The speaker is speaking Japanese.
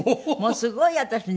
すごい私ね